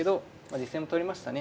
実戦も取りましたね。